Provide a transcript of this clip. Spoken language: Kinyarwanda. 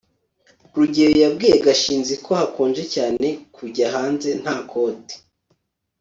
rugeyo yabwiye gashinzi ko hakonje cyane kujya hanze nta koti